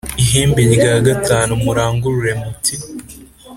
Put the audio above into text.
ihembe v murangurure muti